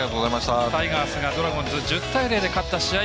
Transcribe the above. タイガースがドラゴンズ１０対０で勝った試合